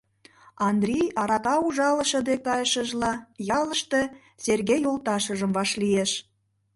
Андрий, арака ужалыше дек кайышыжла, ялыште Сергей йолташыжым вашлиеш.